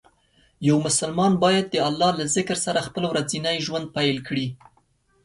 یو مسلمان باید د الله له ذکر سره خپل ورځنی ژوند پیل کړي.